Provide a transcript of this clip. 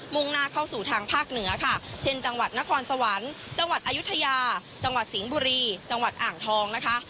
่งหน้าเข้าสู่ทางภาคเหนือค่ะเช่นจังหวัดนครสวรรค์จังหวัดอายุทยาจังหวัดสิงห์บุรีจังหวัดอ่างทองนะคะ